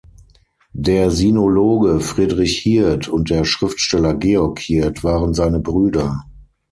Der Sinologe Friedrich Hirth und der Schriftsteller Georg Hirth waren seine Brüder.